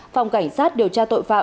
phòng cảnh sát điều tra tội phạm